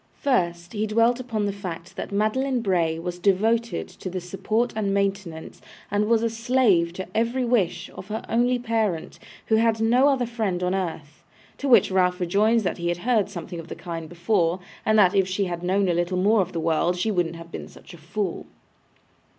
First, he dwelt upon the fact that Madeline Bray was devoted to the support and maintenance, and was a slave to every wish, of her only parent, who had no other friend on earth; to which Ralph rejoined that he had heard something of the kind before, and that if she had known a little more of the world, she wouldn't have been such a fool.